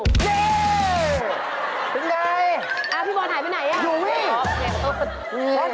พี่บอลหายไปไหนอยู่นี่